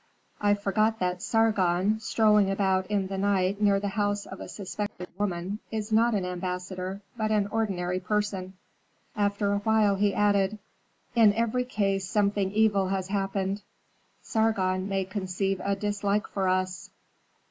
I forgot that Sargon, strolling about in the night near the house of a suspected woman, is not an ambassador, but an ordinary person." After a while he added, "In every case something evil has happened. Sargon may conceive a dislike for us."